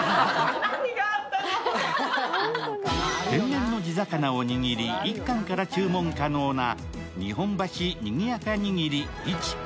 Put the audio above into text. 天然の地魚を握り１貫から注文可能な日本橋にぎやかにぎり一。